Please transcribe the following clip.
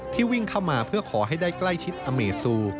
วิ่งเข้ามาเพื่อขอให้ได้ใกล้ชิดอเมซู